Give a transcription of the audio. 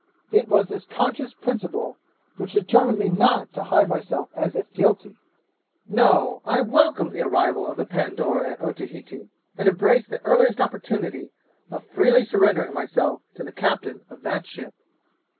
It was this conscious principle which determined me not to hide myself as if guilty. No I welcomed the arrival of the Pandora at Otaheite, and embraced the earliest opportunity of freely surrendering myself to the captain of that ship.